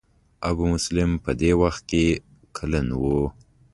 ابو مسلم په دې وخت کې کلن و.